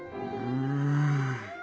うん。